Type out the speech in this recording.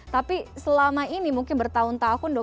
tapi selama ini mungkin bertahun tahun dok